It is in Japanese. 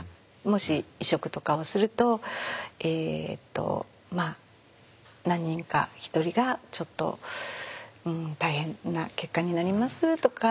もし移植とかをするとえっとまあ何人か１人がちょっと大変な結果になりますとか。